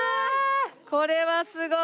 これはすごい！